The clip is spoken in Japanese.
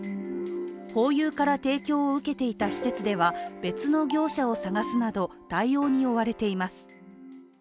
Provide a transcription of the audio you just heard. ホーユーから提供を受けていた施設では別の業者を探すなど対応に追われています。